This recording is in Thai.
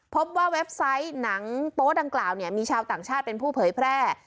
เว็บไซต์หนังโป๊ดังกล่าวเนี่ยมีชาวต่างชาติเป็นผู้เผยแพร่